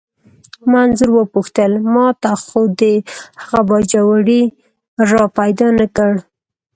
ما انځور وپوښتل: ما ته خو دې هغه باجوړی را پیدا نه کړ؟